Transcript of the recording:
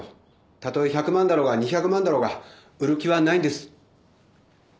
たとえ１００万だろうが２００万だろうが売る気はないんです。